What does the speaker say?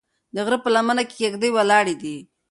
د غره په لمنه کې کيږدۍ ولاړې دي.